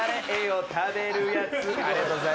ありがとうございます。